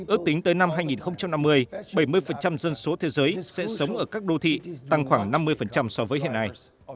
ước tính tới năm hai nghìn năm mươi bảy mươi dân số thế giới sẽ sống ở các đô thị tăng khoảng năm mươi so với hiện nay